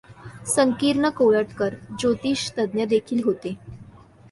संकीर्ण कोल्हटकर ज्योतिषतज्ज्ञदेखील होते.